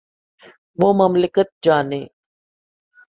وہ مملکت جانے۔